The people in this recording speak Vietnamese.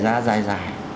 xảy ra dài dài